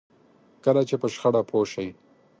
کله چې په شخړه پوه شئ.